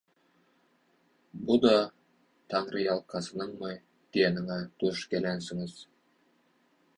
Bu-da taňryýalkasynyňmy?» diýenine duş gelensiňiz.